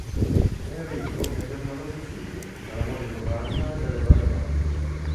Enrico ebbe numerosi figli, dalla moglie Giovanna e dalle varie amanti.